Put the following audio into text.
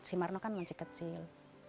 ibu mul menggendong si marno kan masih kecil